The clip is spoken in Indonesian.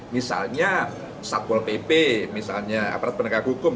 misalnya satpol pp misalnya aparat penegak hukum